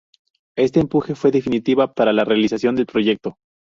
Este empuje fue definitiva para la realización del proyecto.